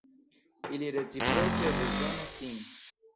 Ili reciproke bezonas sin.